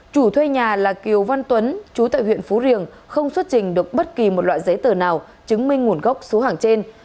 chủ thuê nhà là kiều văn tuấn chú tại huyện phú riềng không xuất trình được bất kỳ một loại giấy tờ nào chứng minh nguồn gốc số hàng trên